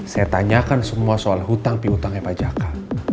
saya tanyakan semua soal hutang pihutangnya pajakan